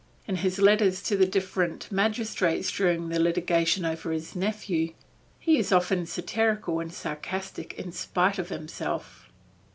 In his letters to the different magistrates during the litigation over his nephew, he is often satirical and sarcastic in spite of himself.